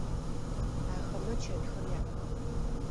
Ахэмэ чэтхэр яӏэх.